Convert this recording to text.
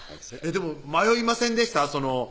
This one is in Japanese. でも迷いませんでした？